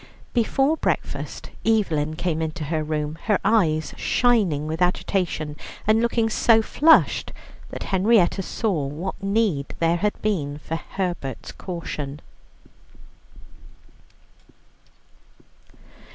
Before breakfast Evelyn came into her room, her eyes shining with agitation, and looking so flushed that Henrietta saw what need there had been for Herbert's caution.